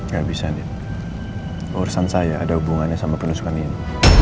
gak bisa urusan saya ada hubungannya sama penusukan ini